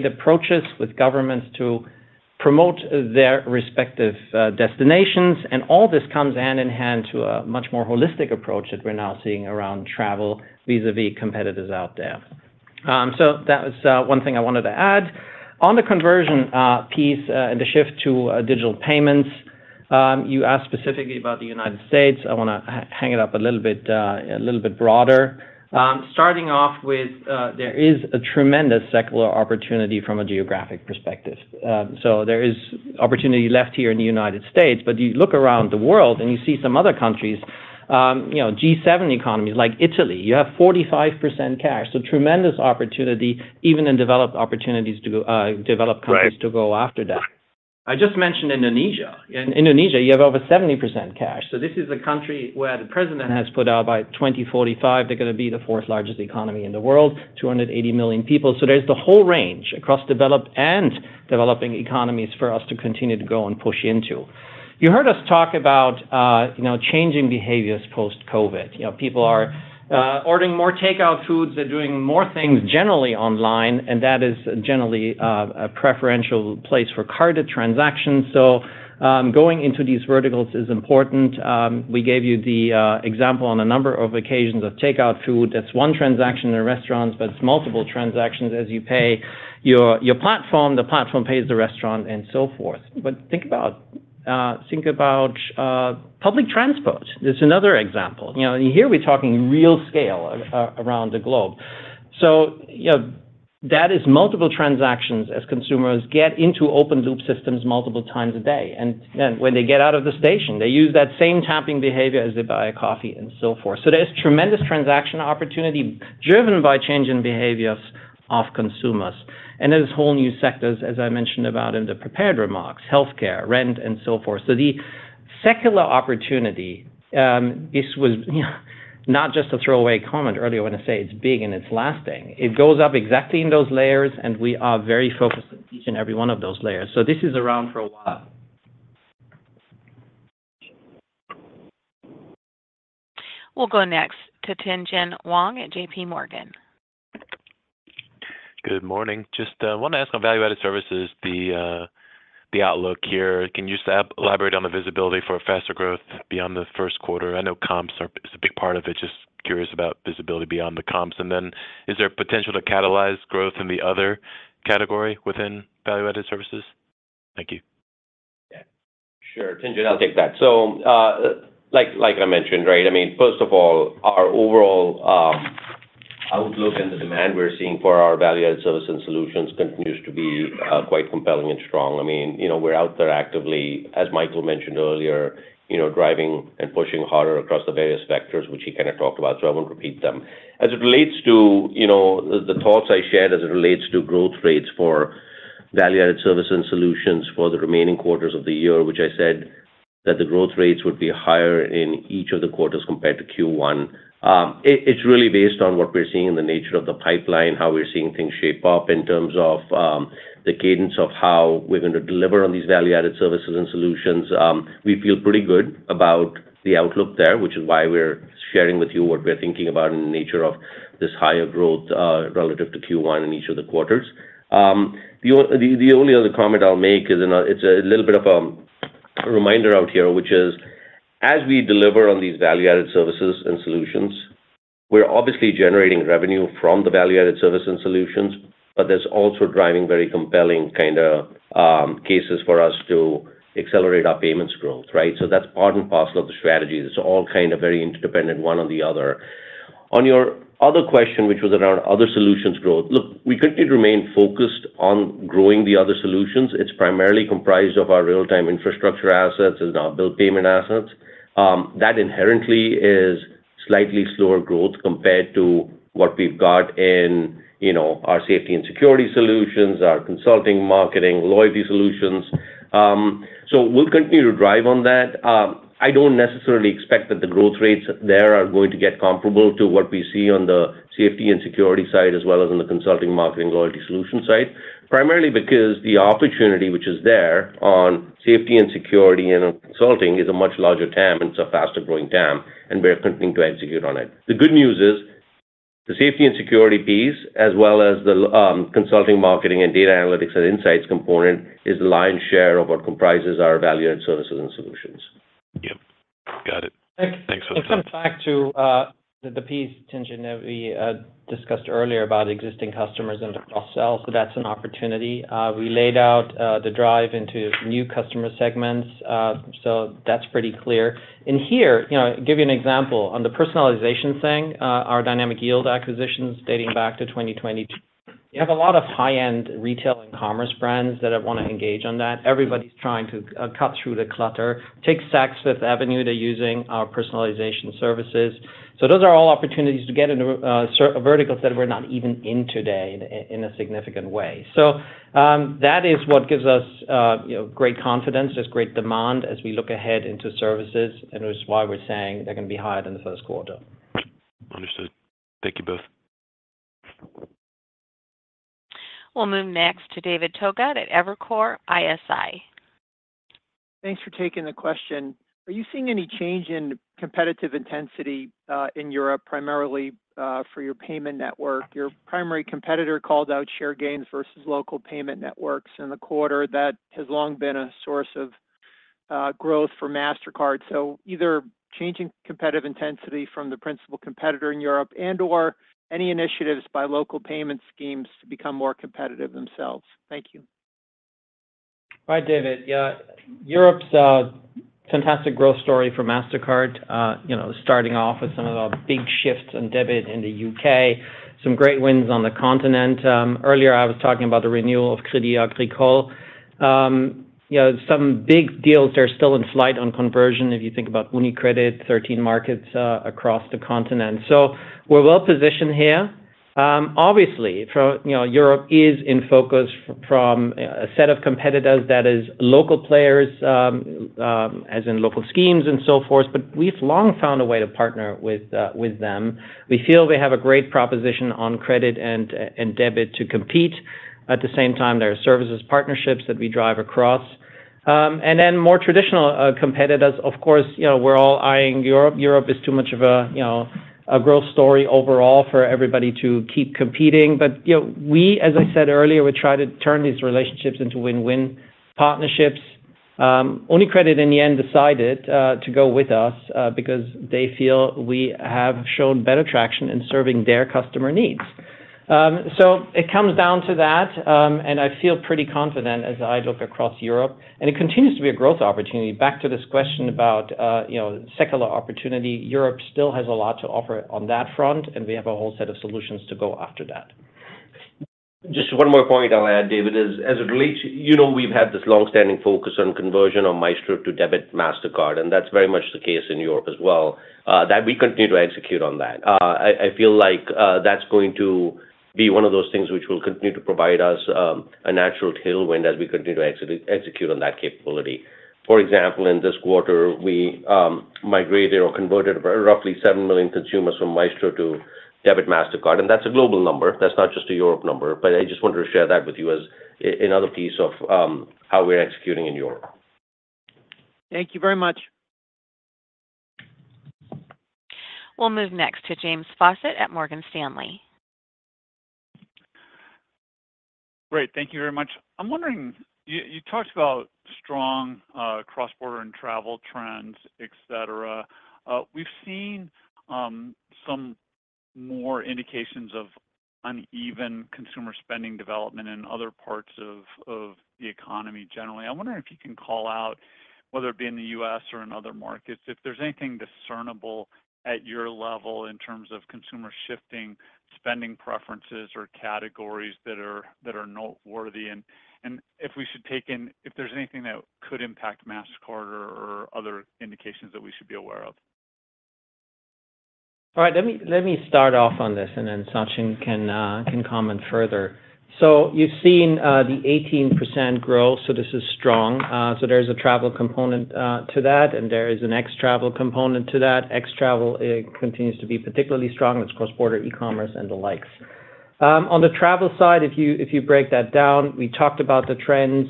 approaches with governments to promote their respective destinations. And all this comes hand in hand to a much more holistic approach that we're now seeing around travel vis-à-vis competitors out there. So that was one thing I wanted to add. On the conversion piece and the shift to digital payments, you asked specifically about the United States. I want to hang it up a little bit broader. Starting off with, there is a tremendous secular opportunity from a geographic perspective. So there is opportunity left here in the United States, but you look around the world and you see some other countries, G7 economies like Italy, you have 45% cash. So tremendous opportunity, even in developed opportunities to develop countries to go after that. I just mentioned Indonesia. In Indonesia, you have over 70% cash. So this is a country where the president has put out by 2045, they're going to be the fourth largest economy in the world, 280 million people. So there's the whole range across developed and developing economies for us to continue to go and push into. You heard us talk about changing behaviors post-COVID. People are ordering more takeout foods. They're doing more things generally online, and that is generally a preferential place for carded transactions. So going into these verticals is important. We gave you the example on a number of occasions of takeout food. That's one transaction in restaurants, but it's multiple transactions as you pay your platform. The platform pays the restaurant, and so forth. But think about public transport. This is another example. Here, we're talking real scale around the globe. So that is multiple transactions as consumers get into open-loop systems multiple times a day. And then when they get out of the station, they use that same tapping behavior as they buy a coffee, and so forth. So there's tremendous transaction opportunity driven by change in behaviors of consumers. And there's whole new sectors, as I mentioned about in the prepared remarks, healthcare, rent, and so forth. So the secular opportunity, this was not just a throwaway comment earlier. I want to say it's big and it's lasting. It goes up exactly in those layers, and we are very focused on each and every one of those layers. So this is around for a while. We'll go next to Tien-tsin Huang at JPMorgan. Good morning. Just want to ask on value-added services, the outlook here. Can you just elaborate on the visibility for faster growth beyond the first quarter? I know comps is a big part of it. Just curious about visibility beyond the comps. And then is there potential to catalyze growth in the other category within value-added services? Thank you. Sure. Tien-tsin, I'll take that. So like I mentioned, right, I mean, first of all, our overall outlook and the demand we're seeing for our value-added services and solutions continues to be quite compelling and strong. I mean, we're out there actively, as Michael mentioned earlier, driving and pushing harder across the various vectors, which he kind of talked about, so I won't repeat them. As it relates to the thoughts I shared as it relates to growth rates for value-added services and solutions for the remaining quarters of the year, which I said that the growth rates would be higher in each of the quarters compared to Q1, it's really based on what we're seeing in the nature of the pipeline, how we're seeing things shape up in terms of the cadence of how we're going to deliver on these value-added services and solutions. We feel pretty good about the outlook there, which is why we're sharing with you what we're thinking about in the nature of this higher growth relative to Q1 in each of the quarters. The only other comment I'll make is it's a little bit of a reminder out here, which is as we deliver on these value-added services and solutions, we're obviously generating revenue from the value-added services and solutions, but there's also driving very compelling kind of cases for us to accelerate our payments growth, right? So that's part and parcel of the strategy. It's all kind of very interdependent one on the other. On your other question, which was around other solutions growth, look, we continue to remain focused on growing the other solutions. It's primarily comprised of our real-time infrastructure assets and our bill payment assets. That inherently is slightly slower growth compared to what we've got in our safety and security solutions, our consulting marketing, loyalty solutions. So we'll continue to drive on that. I don't necessarily expect that the growth rates there are going to get comparable to what we see on the safety and security side as well as on the consulting marketing loyalty solution side, primarily because the opportunity which is there on safety and security and consulting is a much larger TAM, and it's a faster-growing TAM, and we're continuing to execute on it. The good news is the safety and security piece, as well as the consulting marketing and data analytics and insights component, is the lion's share of what comprises our value-added services and solutions. Yep. Got it. Thanks for the time. Let's come back to the piece, Tien-tsin, that we discussed earlier about existing customers and across sales. So that's an opportunity. We laid out the drive into new customer segments, so that's pretty clear. And here, I'll give you an example. On the personalization thing, our Dynamic Yield acquisition dating back to 2022, we have a lot of high-end retail and commerce brands that want to engage on that. Everybody's trying to cut through the clutter. Take Saks Fifth Avenue. They're using our personalization services. So those are all opportunities to get into verticals that we're not even in today in a significant way. So that is what gives us great confidence. There's great demand as we look ahead into services, and it's why we're saying they're going to be higher than the first quarter. Understood. Thank you both. We'll move next to David Togut at Evercore ISI. Thanks for taking the question. Are you seeing any change in competitive intensity in Europe, primarily for your payment network? Your primary competitor called out share gains versus local payment networks in the quarter. That has long been a source of growth for Mastercard. So either changing competitive intensity from the principal competitor in Europe and/or any initiatives by local payment schemes to become more competitive themselves? Thank you. Hi, David. Europe's fantastic growth story for Mastercard, starting off with some of the big shifts in debit in the U.K., some great wins on the continent. Earlier, I was talking about the renewal of Crédit Agricole. Some big deals are still in flight on conversion if you think about UniCredit, 13 markets across the continent. So we're well positioned here. Obviously, Europe is in focus from a set of competitors that is local players, as in local schemes and so forth, but we've long found a way to partner with them. We feel we have a great proposition on credit and debit to compete. At the same time, there are services partnerships that we drive across. And then more traditional competitors, of course, we're all eyeing Europe. Europe is too much of a growth story overall for everybody to keep competing. But we, as I said earlier, we try to turn these relationships into win-win partnerships. UniCredit, in the end, decided to go with us because they feel we have shown better traction in serving their customer needs. So it comes down to that, and I feel pretty confident as I look across Europe. And it continues to be a growth opportunity. Back to this question about secular opportunity, Europe still has a lot to offer on that front, and we have a whole set of solutions to go after that. Just one more point I'll add, David, is as it relates, we've had this longstanding focus on conversion on Maestro to Debit Mastercard, and that's very much the case in Europe as well, that we continue to execute on that. I feel like that's going to be one of those things which will continue to provide us a natural tailwind as we continue to execute on that capability. For example, in this quarter, we migrated or converted roughly 7 million consumers from Maestro to Debit Mastercard, and that's a global number. That's not just a Europe number, but I just wanted to share that with you as another piece of how we're executing in Europe. Thank you very much. We'll move next to James Faucette at Morgan Stanley. Great. Thank you very much. I'm wondering, you talked about strong cross-border and travel trends, etc. We've seen some more indications of uneven consumer spending development in other parts of the economy generally. I wonder if you can call out, whether it be in the U.S. or in other markets, if there's anything discernible at your level in terms of consumer shifting spending preferences or categories that are noteworthy, and if we should take in if there's anything that could impact Mastercard or other indications that we should be aware of. All right. Let me start off on this, and then Sachin can comment further. So you've seen the 18% growth, so this is strong. So there's a travel component to that, and there is an ex-travel component to that. Ex-travel continues to be particularly strong. It's cross-border e-commerce and the likes. On the travel side, if you break that down, we talked about the trends.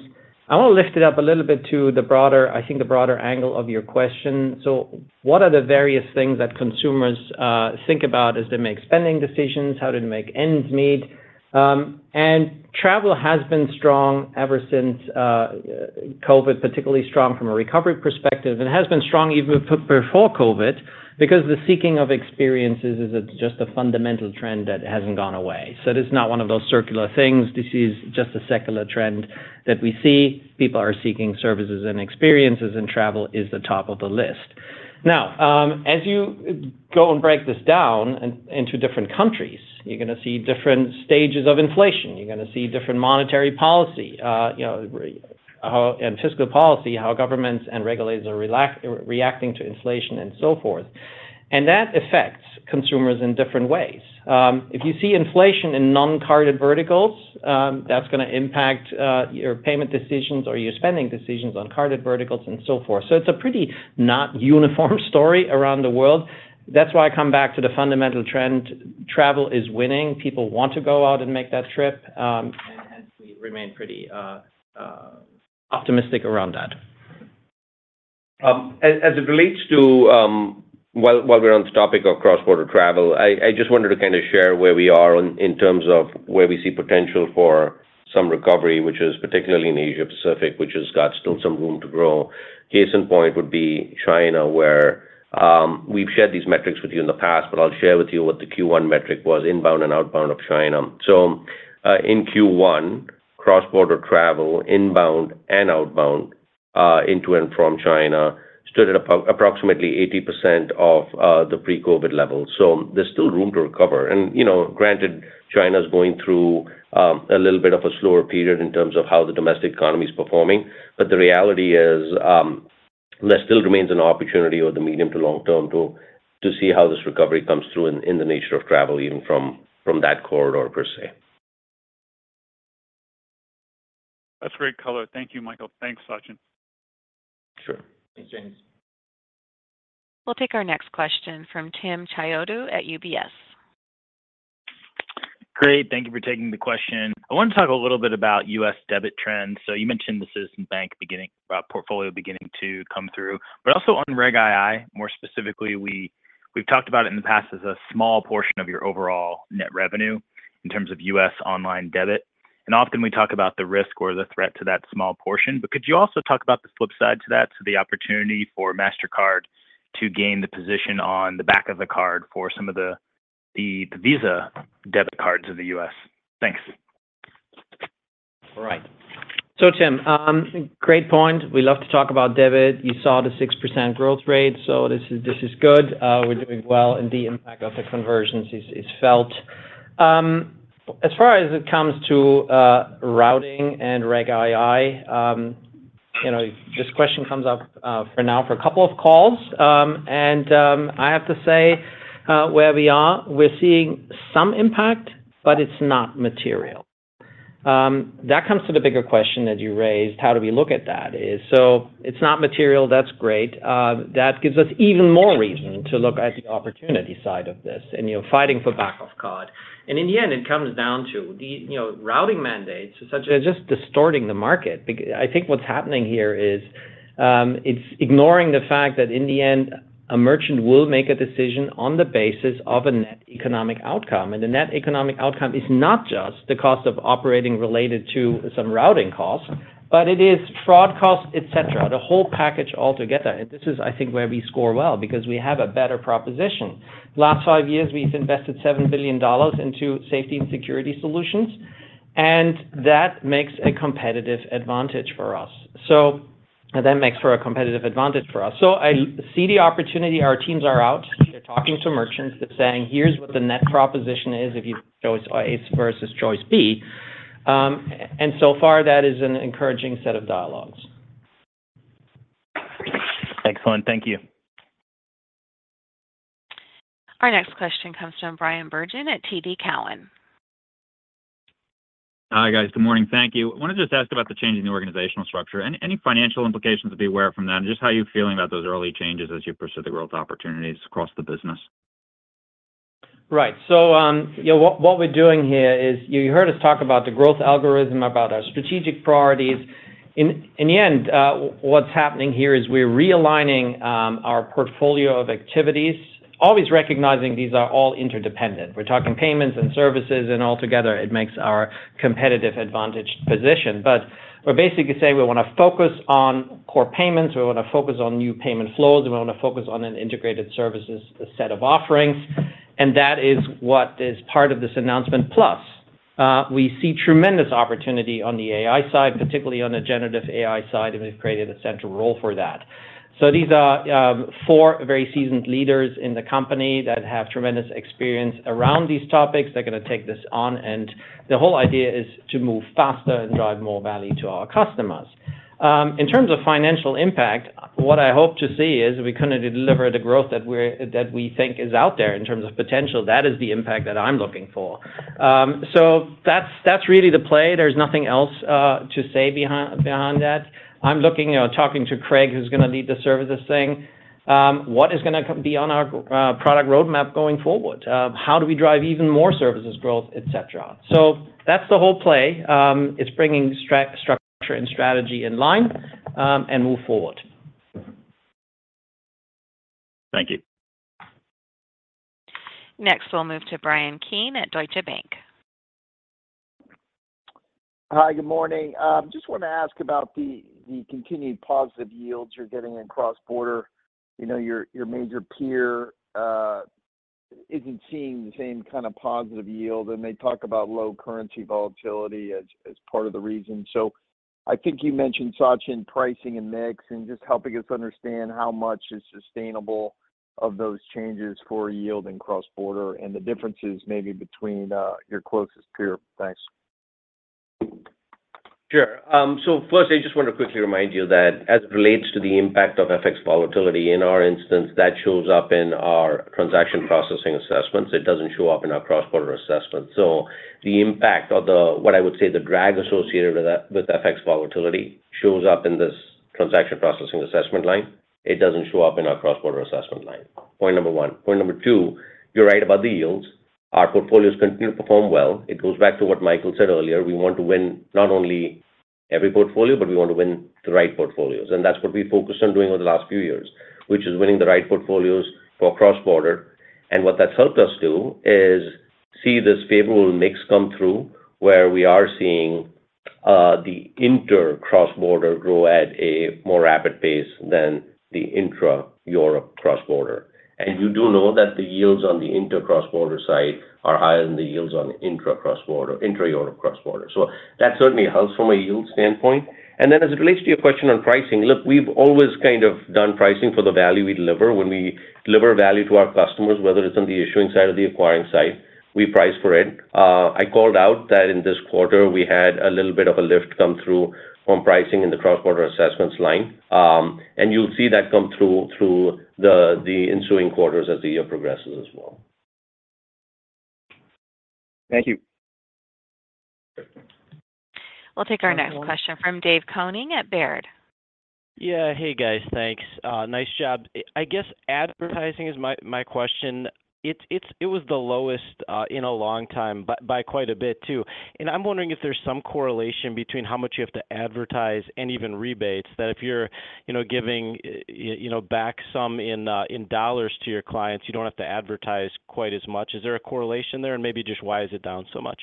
I want to lift it up a little bit to the broader I think the broader angle of your question. So what are the various things that consumers think about as they make spending decisions? How do they make ends meet? And travel has been strong ever since COVID, particularly strong from a recovery perspective, and has been strong even before COVID because the seeking of experiences is just a fundamental trend that hasn't gone away. So it is not one of those circular things. This is just a secular trend that we see. People are seeking services and experiences, and travel is the top of the list. Now, as you go and break this down into different countries, you're going to see different stages of inflation. You're going to see different monetary policy and fiscal policy, how governments and regulators are reacting to inflation and so forth. And that affects consumers in different ways. If you see inflation in non-carded verticals, that's going to impact your payment decisions or your spending decisions on carded verticals and so forth. So it's a pretty non-uniform story around the world. That's why I come back to the fundamental trend. Travel is winning. People want to go out and make that trip, and we remain pretty optimistic around that. As it relates to, while we're on the topic of cross-border travel, I just wanted to kind of share where we are in terms of where we see potential for some recovery, which is particularly in Asia Pacific, which has got still some room to grow. Case in point would be China, where we've shared these metrics with you in the past, but I'll share with you what the Q1 metric was, inbound and outbound of China. So in Q1, cross-border travel, inbound and outbound into and from China stood at approximately 80% of the pre-COVID level. So there's still room to recover. Granted, China's going through a little bit of a slower period in terms of how the domestic economy's performing, but the reality is there still remains an opportunity over the medium to long term to see how this recovery comes through in the nature of travel, even from that corridor per se. That's great color. Thank you, Michael. Thanks, Sachin. Sure. Thanks, James. We'll take our next question from Timothy Chiodo at UBS. Great. Thank you for taking the question. I want to talk a little bit about U.S. debit trends. So you mentioned the Citizens Bank portfolio beginning to come through, but also on Reg II, more specifically, we've talked about it in the past as a small portion of your overall net revenue in terms of U.S. online debit. And often, we talk about the risk or the threat to that small portion. But could you also talk about the flip side to that, so the opportunity for Mastercard to gain the position on the back of the card for some of the Visa debit cards in the U.S.? Thanks. All right. So, Tim, great point. We love to talk about debit. You saw the 6% growth rate, so this is good. We're doing well, and the impact of the conversions is felt. As far as it comes to routing and Reg II, this question comes up for now for a couple of calls. And I have to say where we are, we're seeing some impact, but it's not material. That comes to the bigger question that you raised, how do we look at that? So it's not material. That's great. That gives us even more reason to look at the opportunity side of this and fighting for back-of-card. And in the end, it comes down to routing mandates such as. They're just distorting the market. I think what's happening here is it's ignoring the fact that in the end, a merchant will make a decision on the basis of a net economic outcome. The net economic outcome is not just the cost of operating related to some routing costs, but it is fraud costs, etc., the whole package altogether. This is, I think, where we score well because we have a better proposition. Last five years, we've invested $7 billion into safety and security solutions, and that makes a competitive advantage for us. That makes for a competitive advantage for us. I see the opportunity. Our teams are out. They're talking to merchants. They're saying, "Here's what the net proposition is if you choose A versus choice B." So far, that is an encouraging set of dialogues. Excellent. Thank you. Our next question comes from Bryan Bergin at TD Cowen. Hi, guys. Good morning. Thank you. I want to just ask about the change in the organizational structure and any financial implications to be aware from that and just how you're feeling about those early changes as you pursue the growth opportunities across the business. Right. So what we're doing here is you heard us talk about the growth algorithm, about our strategic priorities. In the end, what's happening here is we're realigning our portfolio of activities, always recognizing these are all interdependent. We're talking payments and services, and altogether, it makes our competitive advantage position. But we're basically saying we want to focus on core payments. We want to focus on new payment flows, and we want to focus on an integrated services set of offerings. And that is what is part of this announcement. Plus, we see tremendous opportunity on the AI side, particularly on the generative AI side, and we've created a central role for that. So these are four very seasoned leaders in the company that have tremendous experience around these topics. They're going to take this on. The whole idea is to move faster and drive more value to our customers. In terms of financial impact, what I hope to see is we couldn't deliver the growth that we think is out there in terms of potential. That is the impact that I'm looking for. So that's really the play. There's nothing else to say behind that. I'm looking at talking to Craig, who's going to lead the services, saying, "What is going to be on our product roadmap going forward? How do we drive even more services growth, etc.?" So that's the whole play. It's bringing structure and strategy in line and move forward. Thank you. Next, we'll move to Bryan Keane at Deutsche Bank. Hi. Good morning. Just want to ask about the continued positive yields you're getting in cross-border. Your major peer isn't seeing the same kind of positive yield, and they talk about low currency volatility as part of the reason. So I think you mentioned, Sachin, pricing and mix and just helping us understand how much is sustainable of those changes for yield in cross-border and the differences maybe between your closest peer? Thanks. Sure. So first, I just want to quickly remind you that as it relates to the impact of FX volatility, in our instance, that shows up in our transaction processing assessments. It doesn't show up in our cross-border assessments. So the impact or what I would say the drag associated with FX volatility shows up in this transaction processing assessment line. It doesn't show up in our cross-border assessment line. Point number one. Point number two, you're right about the yields. Our portfolios continue to perform well. It goes back to what Michael said earlier. We want to win not only every portfolio, but we want to win the right portfolios. And that's what we focused on doing over the last few years, which is winning the right portfolios for cross-border. And what that's helped us do is see this favorable mix come through where we are seeing the inter-cross-border grow at a more rapid pace than the intra-Europe cross-border. And you do know that the yields on the inter-cross-border side are higher than the yields on the intra-Europe cross-border. So that certainly helps from a yield standpoint. And then as it relates to your question on pricing, look, we've always kind of done pricing for the value we deliver. When we deliver value to our customers, whether it's on the issuing side or the acquiring side, we price for it. I called out that in this quarter, we had a little bit of a lift come through from pricing in the cross-border assessments line. And you'll see that come through the ensuing quarters as the year progresses as well. Thank you. We'll take our next question from David Koning at Baird. Yeah. Hey, guys. Thanks. Nice job. I guess advertising is my question. It was the lowest in a long time by quite a bit too. And I'm wondering if there's some correlation between how much you have to advertise and even rebates that if you're giving back some in dollars to your clients, you don't have to advertise quite as much. Is there a correlation there, and maybe just why is it down so much?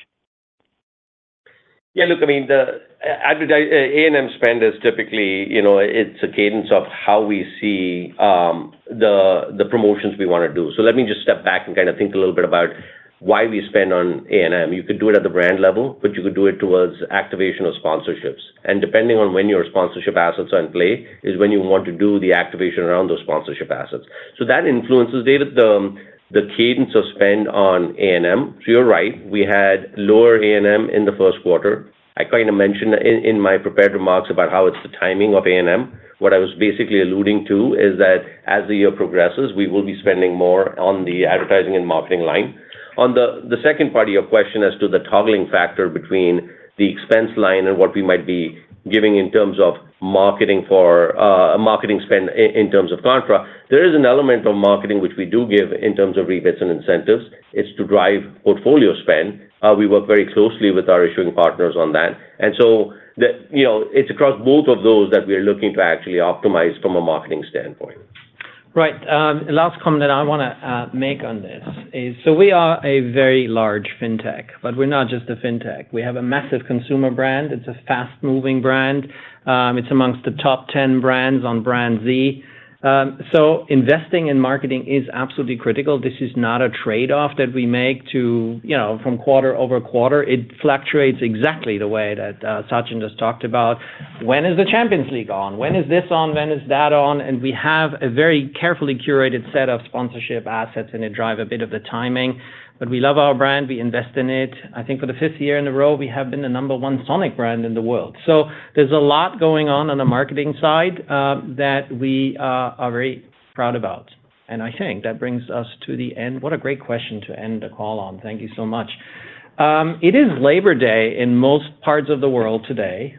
Yeah. Look, I mean, A&M spend is typically it's a cadence of how we see the promotions we want to do. So let me just step back and kind of think a little bit about why we spend on A&M. You could do it at the brand level, but you could do it towards activation of sponsorships. And depending on when your sponsorship assets are in play is when you want to do the activation around those sponsorship assets. So that influences, David, the cadence of spend on A&M. So you're right. We had lower A&M in the first quarter. I kind of mentioned in my prepared remarks about how it's the timing of A&M. What I was basically alluding to is that as the year progresses, we will be spending more on the advertising and marketing line. On the second part of your question as to the toggling factor between the expense line and what we might be giving in terms of marketing spend in terms of contra, there is an element of marketing which we do give in terms of rebates and incentives. It's to drive portfolio spend. We work very closely with our issuing partners on that. And so it's across both of those that we are looking to actually optimize from a marketing standpoint. Right. Last comment that I want to make on this is so we are a very large fintech, but we're not just a fintech. We have a massive consumer brand. It's a fast-moving brand. It's among the top 10 brands on BrandZ. So investing in marketing is absolutely critical. This is not a trade-off that we make from quarter-over-quarter. It fluctuates exactly the way that Sachin just talked about. When is the Champions League on? When is this on? When is that on? And we have a very carefully curated set of sponsorship assets, and it drives a bit of the timing. But we love our brand. We invest in it. I think for the fifth year in a row, we have been the number one iconic brand in the world. So there's a lot going on on the marketing side that we are very proud about. I think that brings us to the end. What a great question to end the call on. Thank you so much. It is Labor Day in most parts of the world today.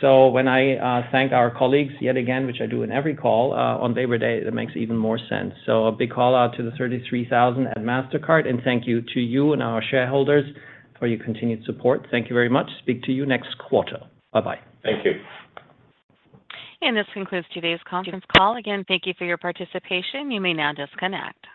So when I thank our colleagues yet again, which I do in every call on Labor Day, it makes even more sense. So a big call out to the 33,000 at Mastercard, and thank you to you and our shareholders for your continued support. Thank you very much. Speak to you next quarter. Bye-bye. Thank you. This concludes today's conference call. Again, thank you for your participation. You may now disconnect.